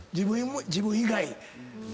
自分以外。